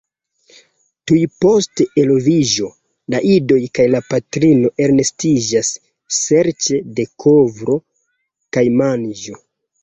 Tuj post eloviĝo la idoj kaj la patrino elnestiĝas serĉe de kovro kaj manĝo.